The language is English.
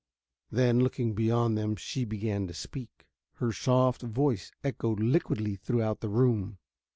Then looking beyond them, she began to speak. Her soft voice echoed liquidly throughout the room.